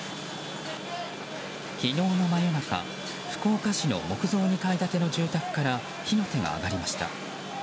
昨日の真夜中福岡市の木造２階建ての住宅から火の手が上がりました。